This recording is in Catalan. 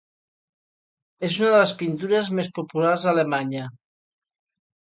És una de les pintures més populars a Alemanya.